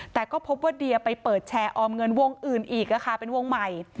แต่ก็พบว่าเดียไปเปิดแชร์ออมเงินวงอื่นอีกเป็นวงใหม่